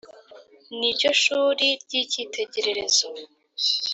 Ni ryo shuri ry’ikitegererezo